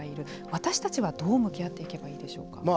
私たちは、どう向き合っていけばいいでしょうか。